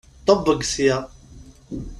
Ṭebbeg sya!